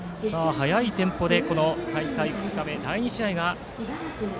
速いテンポで大会２日目第２試合